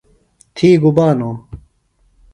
تھی گُبا نو؟